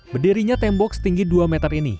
berdirinya tembok setinggi dua meter ini